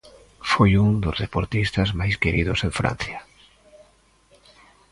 Foi un dos deportistas máis queridos en Francia.